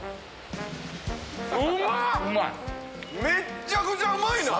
めっちゃくちゃうまいな！